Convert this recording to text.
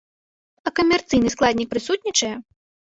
А камерцыйны складнік прысутнічае?